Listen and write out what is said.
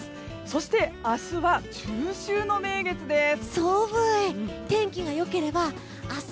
そして明日は中秋の名月です。